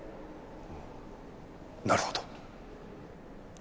なるほど。